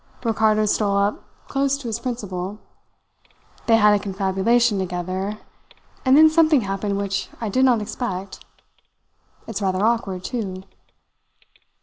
Ricardo stole up close to his principal; they had a confabulation together, and then something happened which I did not expect. It's rather awkward, too.